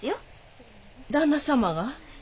旦那様が？